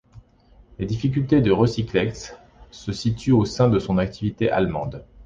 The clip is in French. Les difficultés de Recyclex se situent au sein de son activité allemande.